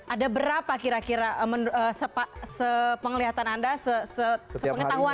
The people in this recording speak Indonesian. ada berapa kira kira sepenglihatan anda sepengetahuan anda